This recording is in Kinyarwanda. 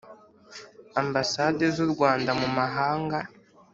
Ambasade z u Rwanda mu mahanga